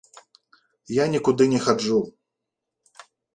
Я нікуды не хаджу.